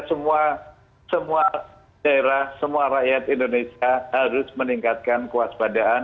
semua daerah semua rakyat indonesia harus meningkatkan kewaspadaan